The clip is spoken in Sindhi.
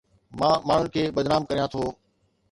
مان ماڻهن کي بدنام ڪريان ٿو